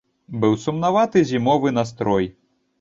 Быў сумнаваты зімовы настрой.